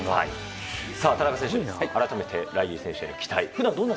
田中選手、改めてライリー選手への期待。